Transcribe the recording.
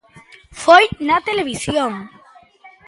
Foi na televisión.